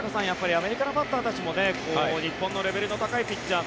アメリカのバッターたちも日本のレベルの高いピッチャー